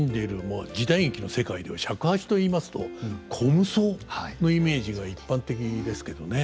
まあ時代劇の世界では尺八といいますと虚無僧のイメージが一般的ですけどね。